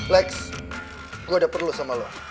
lex gue udah perlu sama lo